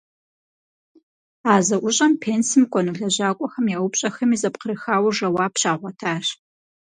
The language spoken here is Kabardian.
А зэӏущӏэм пенсым кӏуэну лэжьакӏуэхэм я упщӀэхэми зэпкърыхауэ жэуап щагъуэтащ.